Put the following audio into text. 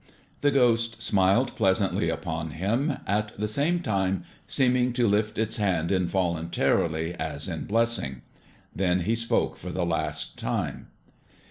The Ghost smiled pleasantly upon him, at the same time seeming to lift its hand involuntarily, as in blessing. Then it spoke for the last time.